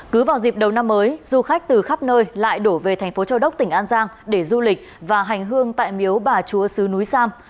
cứ vào dịp đầu năm mới du khách từ khắp nơi lại đổ về thành phố châu đốc tỉnh an giang để du lịch và hành hương tại miếu bà chúa sứ núi sam